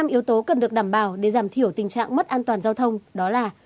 năm yếu tố cần được đảm bảo để giảm thiểu tình trạng mất an toàn giao thông đó là